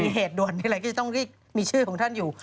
มีเหตุด่วนมีอะไรก็จะต้องมีชื่อของท่านอยู่